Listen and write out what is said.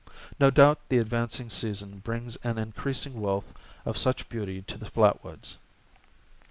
No doubt the advancing season brings an increasing wealth of such beauty to the flat woods.